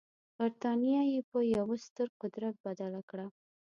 برټانیه یې په یوه ستر قدرت بدله کړه.